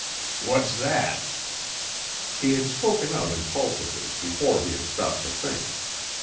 "What's that?" He had spoken out impulsively, before he had stopped to think.